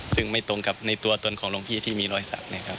ซึ่งไม่ตรงกับในตัวตนของหลวงพี่ที่มีรอยสักนะครับ